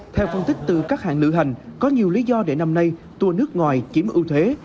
theo phân tích từ các hãng lựa hành có nhiều lý do để năm nay tour nước ngoài chiếm ưu thế